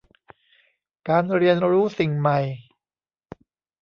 การเรียนรู้สิ่งใหม่